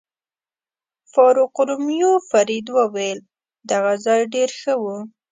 فاروقلومیو فرید وویل: دغه ځای ډېر ښه و.